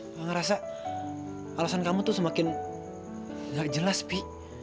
aku ngerasa alasan kamu itu semakin gak jelas pi